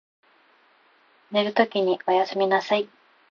寝るときにおやすみなさい。